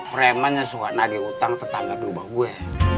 preman yang suka nage utang tetangga berubah gue